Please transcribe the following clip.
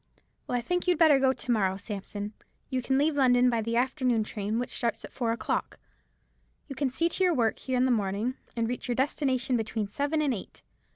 "Well, I think you'd better go to morrow, Sampson. You can leave London by the afternoon train, which starts at four o'clock. You can see to your work here in the morning, and reach your destination between seven and eight.